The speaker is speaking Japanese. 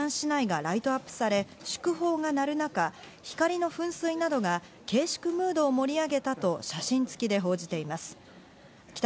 今日付の労働新聞ではピョンヤン市内がライトアップされ、祝砲が鳴る中、光の噴水などが慶祝ムードを盛り上げたと写真付きで報じています。